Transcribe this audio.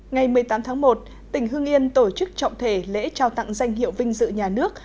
ngày một mươi tám tháng một tỉnh hương yên tổ chức trọng thể lễ trao tặng danh hiệu vinh dự nhà nước